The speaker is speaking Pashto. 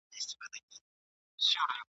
اوس د هغه محفل په شپو کي پېریانان اوسېږي ..